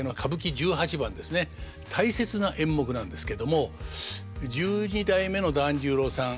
大切な演目なんですけども十二代目の團十郎さん